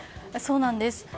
そうなんです。